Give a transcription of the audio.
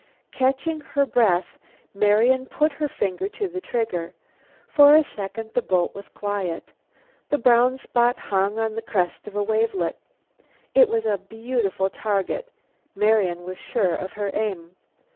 Catching her breath, Marian put her finger to the trigger. For a second the boat was quiet. The brown spot hung on the crest of a wavelet. It was a beautiful target; Marian was sure of her aim.